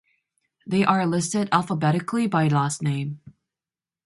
They are listed alphabetically by last name.